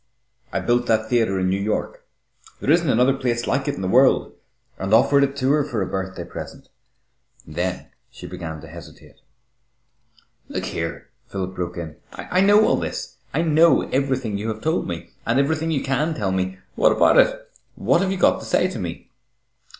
I built that theatre in New York there isn't another place like it in the world and offered it to her for a birthday present. Then she began to hesitate." "Look here," Philip broke in, "I know all this. I know everything you have told me, and everything you can tell me. What about it? What have you got to say to me?"